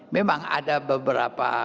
memang ada beberapa